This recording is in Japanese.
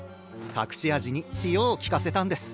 かくし味に塩をきかせたんです。